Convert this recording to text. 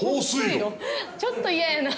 ちょっと嫌やな。